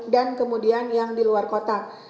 dan kemudian yang di luar kotak